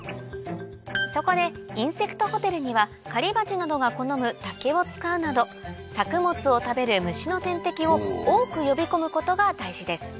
そこでインセクトホテルにはカリバチなどが好む竹を使うなど作物を食べる虫の天敵を多く呼び込むことが大事です